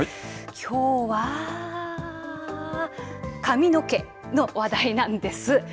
きょうは髪の毛の話題なんです。